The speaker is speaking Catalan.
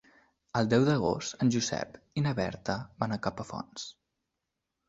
El deu d'agost en Josep i na Berta van a Capafonts.